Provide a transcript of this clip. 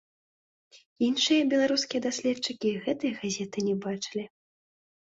Іншыя беларускія даследчыкі гэтай газеты не бачылі.